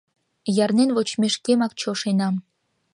Ярнен вочмешкемак чошенам.